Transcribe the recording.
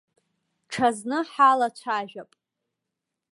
Ҽазны ҳалацәажәап.